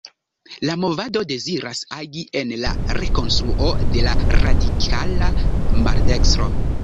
La movado deziras agi en la rekonstruo de la radikala maldekstro.